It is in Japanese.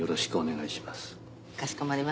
かしこまりました。